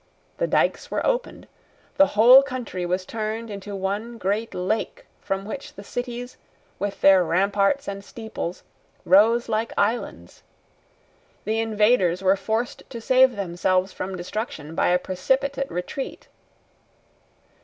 The dykes were opened. The whole country was turned into one great lake from which the cities, with their ramparts and steeples, rose like islands. The invaders were forced to save themselves from destruction by a precipitate retreat.